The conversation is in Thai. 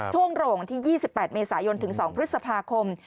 โรงที่๒๘เมษายนถึง๒พฤษภาคม